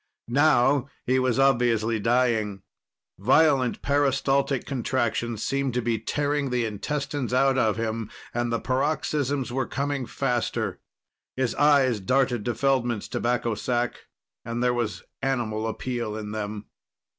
Now he was obviously dying. Violent peristaltic contractions seemed to be tearing the intestines out of him, and the paroxysms were coming faster. His eyes darted to Feldman's tobacco sack and there was animal appeal in them.